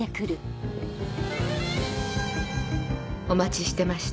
お待ちしてました。